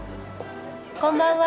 こんばんは。